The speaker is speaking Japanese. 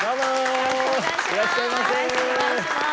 よろしくお願いします。